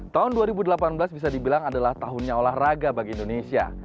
tahun dua ribu delapan belas bisa dibilang adalah tahunnya olahraga bagi indonesia